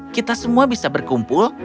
kita semua bisa berkumpul